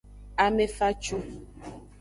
Ame facu.